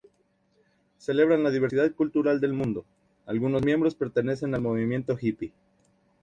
Celebran la diversidad cultural del mundo, algunos miembros pertenecen al movimiento hippie.